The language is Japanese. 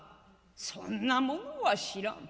「そんなものは知らん」。